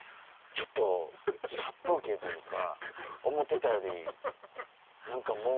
ちょっと殺風景というか思うてたより何かもう。